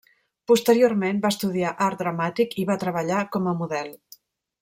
Posteriorment, va estudiar art dramàtic i va treballar com a model.